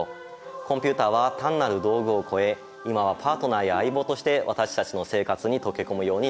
コンピュータは単なる道具を超え今はパートナーや相棒として私たちの生活に溶け込むようになりました。